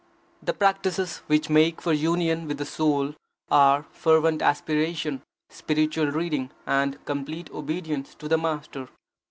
The practices which make for union with the Soul are: fervent aspiration, spiritual reading, and complete obedience to the Master.